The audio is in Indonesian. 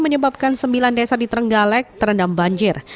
menyebabkan sembilan desa di trenggalek terendam banjir